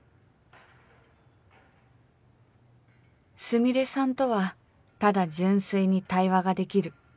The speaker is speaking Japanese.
スミレさんとはただ純粋に対話ができる